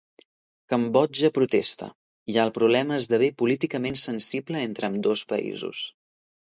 Cambodja protesta, i el problema esdevé políticament sensible entre ambdós països.